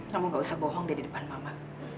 kamu gak usah bohong dia di depan mama